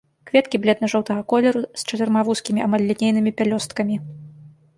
Кветкі бледна-жоўтага колеру, з чатырма вузкімі, амаль лінейнымі пялёсткамі.